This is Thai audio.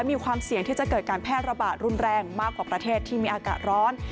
มีความเสี่ยงที่จะเกิดการแพร่ระบาดรุนแรงมากกว่าประเทศที่มีอากาศร้อน